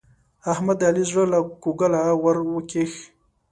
احمد د علي زړه له کوګله ور وکېښ.